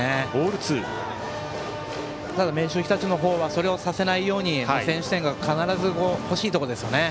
ただ、明秀日立の方はそれをさせないように先取点が必ず欲しいところです。